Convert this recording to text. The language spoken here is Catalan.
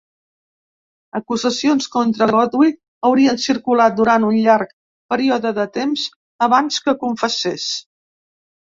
Acusacions contra Gowdie haurien circulat durant un llarg període de temps abans que confessés.